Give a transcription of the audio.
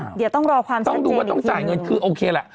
เดี๋ยวต้องรอความจริงต้องดูว่าต้องจ่ายเงินคือโอเคล่ะ